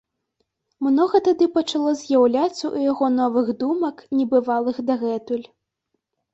Многа тады пачало з'яўляцца ў яго новых думак, небывалых дагэтуль.